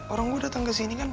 orang gue datang ke sini kan